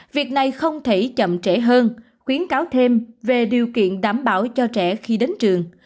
việc này không thể chậm trễ hơn khuyến cáo thêm về điều kiện đảm bảo cho trẻ khi đến trường